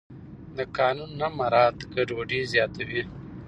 د قانون نه مراعت ګډوډي زیاتوي